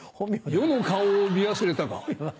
余の顔を見忘れたか？